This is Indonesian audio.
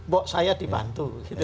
bok saya dibantu